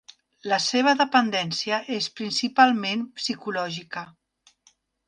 La seva dependència és principalment psicològica.